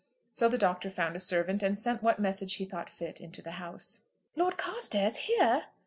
So the Doctor found a servant, and sent what message he thought fit into the house. "Lord Carstairs here?"